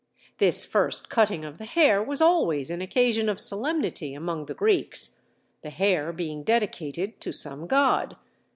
This first cutting of the hair was always an occasion of solemnity among the Greeks, the hair being dedicated to some god.